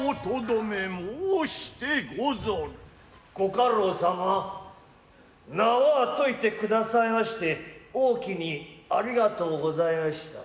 御家老様縄といて下さいましておおきに有りがとうございました。